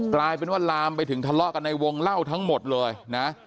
กลายเป็นว่าลามไปถึงทะเลาะกันในวงเล่าทั้งหมดเลยนะ